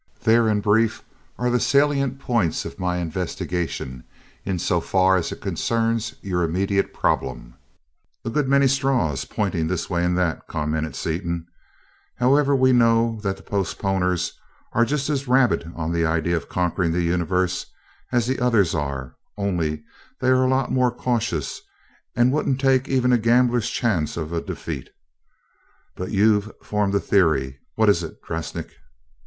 There, in brief, are the salient points of my investigation in so far as it concerns your immediate problem." "A good many straws pointing this way and that," commented Seaton. "However, we know that the 'postponers' are just as rabid on the idea of conquering the Universe as the others are only they are a lot more cautious and won't take even a gambler's chance of a defeat. But you've formed a theory what is it, Drasnik?"